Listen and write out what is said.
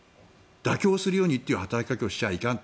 妥協するようにという働きかけをしたらいかん。